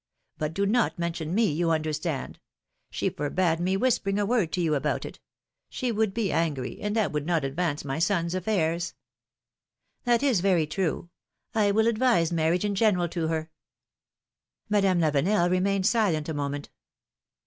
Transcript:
But do not mention me, you understand ! She forbade me whis pering a word to you about it ; she would be angry, and that would not advance my son^s affairs.^^ That is very true ! I will advise marriage in general to her ! Madame Lavenel remained silent a moment.